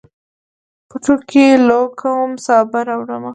پټو کې لو کوم، سابه راوړمه